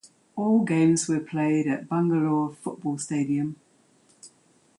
All games were played at Bangalore Football Stadium.